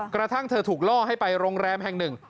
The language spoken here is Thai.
กระทั่งเธอถูกล่อให้ไปโรงแรมแห่งหนึ่ง